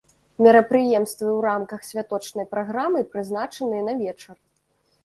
Мерапрыемствы ў рамках святочнай праграмы прызначаныя на вечар.